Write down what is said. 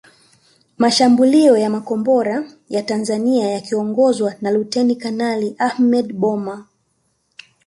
Mashambulio ya makombora ya Tanzania yakiongozwa na Luteni Kanali Ahmed Boma